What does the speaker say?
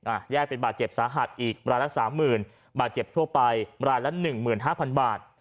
แยกเป็นบาดเจ็บสาหัสอีกรายละสามหมื่นบาทเจ็บทั่วไปรายละหนึ่งหมื่นห้าพันบาท